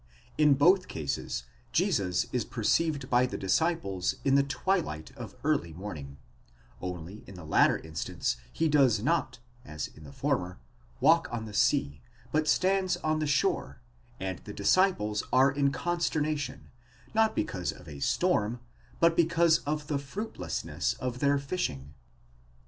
In both cases, Jesus is perceived by the disciples in the twilight of early morning ; only in the latter instance he does not, as in the former, walk on the sea, but stands on the shore, and the disciples are in consternation, not because of a storm, but because of the fruitlessness of their fishing.